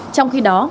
trong khi đó